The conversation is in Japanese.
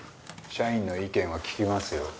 社員の意見は聞きますよ。